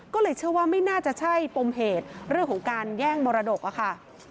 ก็เลยเชื่อว่าไม่น่าจะใช่ปมเหตุเรื่องของการแย่งมรดกอะค่ะ